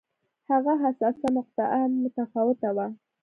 هغه حساسه مقطعه هم متفاوته وه.